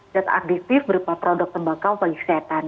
datak adiktif berupa produk tembakau kegisatan